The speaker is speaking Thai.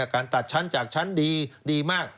การตัดชั้นจากชั้นดีดีมาก